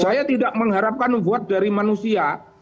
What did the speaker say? saya tidak mengharapkan award dari manusia